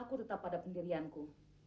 aku tetap pada pendirianku